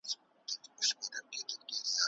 نور ټوله شاعري ورځيني پاته